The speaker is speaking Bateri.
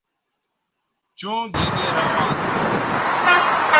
چوں گِھنی روان تھو